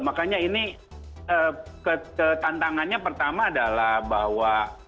makanya ini tantangannya pertama adalah bahwa